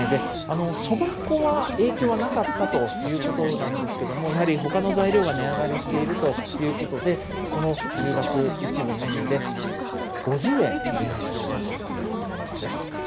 そば粉は影響はなかったということなんですけども、やはりほかの材料が値上がりしているということで、この１０月、一部メニューで５０円値上げをしたということなんです。